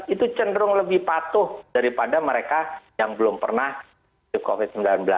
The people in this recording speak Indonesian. itu cenderung lebih patuh daripada mereka yang belum pernah covid sembilan belas